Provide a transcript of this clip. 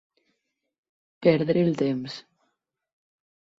Perdre el temps.